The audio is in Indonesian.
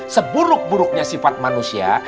seburuk buruknya sifat manusia